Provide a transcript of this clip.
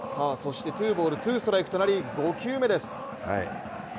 ツーボールツーストライクとなり５球目です。